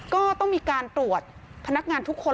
ก็ต้องมีการตรวจพนักงานทุกคน